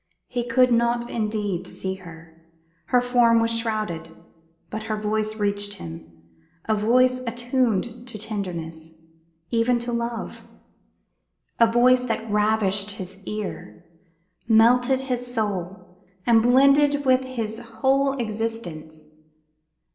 He could not indeed see her; her form was shrouded, but her voice reached him; a voice attuned to tenderness, even to love; a voice that ravished his ear, melted his soul, and blended with his whole existence.